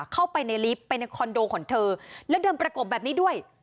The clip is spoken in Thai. เข้าไปในลิฟต์ไปในคอนโดของเธอแล้วเดินประกบแบบนี้ด้วย